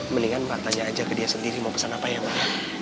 mendingan pak tanya aja ke dia sendiri mau pesan apa ya pak